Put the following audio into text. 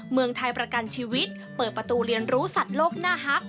เมืองไทยประกันชีวิตเปิดประตูเรียนรู้สัตว์โลกน่าฮัก